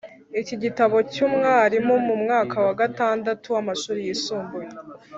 Iki gitabo cy’umwarimu mu mwaka wa gatandatu w’amashuri yisumbuye